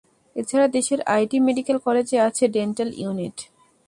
এছাড়া দেশের আটটি মেডিকেল কলেজে আছে ডেন্টাল ইউনিট।